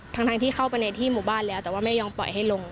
ทั้งที่เข้าไปในที่หมู่บ้านแล้วแต่ว่าไม่ยอมปล่อยให้ลง